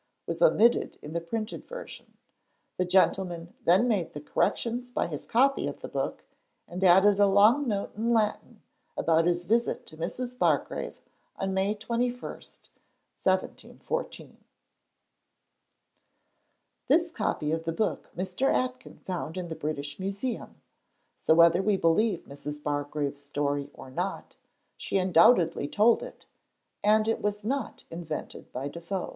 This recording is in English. was omitted in the printed version. The gentleman then made the corrections by his copy of the book, and added a long note in Latin about his visit to Mrs. Bargrave on May 21, 1714. This copy of the book Mr. Aitken found in the British Museum; so, whether we believe Mrs. Bargrave's story or not, she undoubtedly told it, and it was not invented by Defoe.